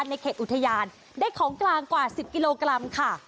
ในเขตอุทยานได้ของกลางกว่า๑๐กิโลกรัมค่ะ